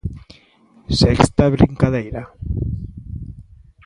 Sexta brincadeira.